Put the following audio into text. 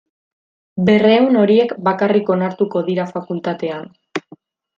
Berrehun horiek bakarrik onartuko dira fakultatean.